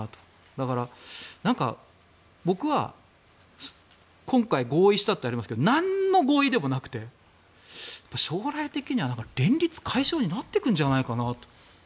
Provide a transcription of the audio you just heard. だから、僕は今回合意したとありますがなんの合意でもなくて将来的には連立解消になっていくんじゃないかなと。